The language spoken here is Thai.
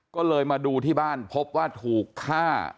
ก็เลยมาดูที่บ้านพบว่าถูกฆ่า